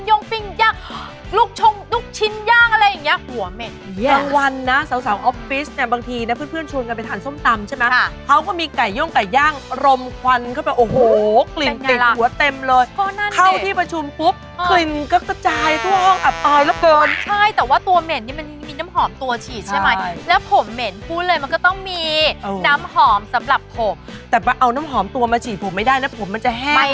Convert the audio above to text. ย่องปิงย่างลูกชงลูกชิ้นย่างอะไรอย่างเงี้ยหัวเหม็นบางวันนะสาวสาวออฟฟิศเนี้ยบางทีนะเพื่อนเพื่อนชวนกันไปทานส้มตำใช่ไหมค่ะเขาก็มีไก่ย่องไก่ย่างรมควันเข้าไปโอ้โหกลิ่นติดหัวเต็มเลยเข้าที่ประชุมปุ๊บกลิ่นก็กระจายทั่วห้องอับอายละเกินใช่แต่ว่าตัวเหม็นนี่มันมีน้ำหอมตัวฉีดใช